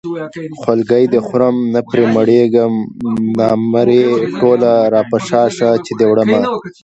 خولګۍ دې خورم نه پرې مړېږم نامرې ټوله راپشا شه چې دې وړمه